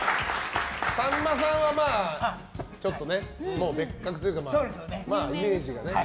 さんまさんはちょっと別格というかイメージがね。